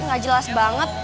gak jelas banget